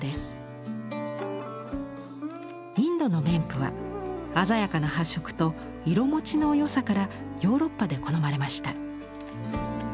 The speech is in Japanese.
インドの綿布は鮮やかな発色と色もちの良さからヨーロッパで好まれました。